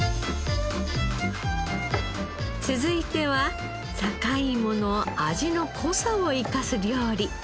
続いては坂井芋の味の濃さを生かす料理。